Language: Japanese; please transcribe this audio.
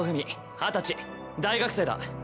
二十歳大学生だ。